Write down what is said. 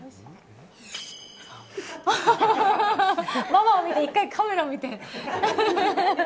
ママを見て１回カメラを見て。